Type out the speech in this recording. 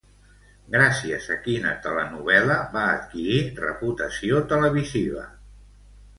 Gràcies a quina telenovel·la va adquirir reputació televisiva?